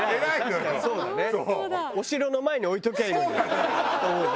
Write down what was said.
お城の前に置いておきゃいいのにと思うね。